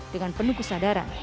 dengan penuh kesadaran